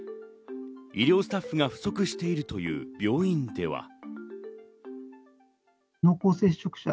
医療スタッフが不足しているという病院では。